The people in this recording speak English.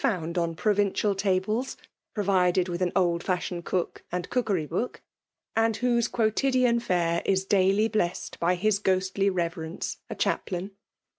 fouiid on provincial tables, provided with an old fashioned cook and cookery book, and wh^ae quotidian fare is daily blessed by his gho3% reverence, a chaplain.